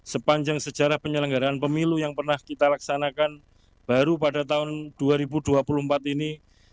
sepanjang sejarah penyelenggaraan pemilu yang pernah kita laksanakan baru pada tahun dua ribu dua puluh empat ini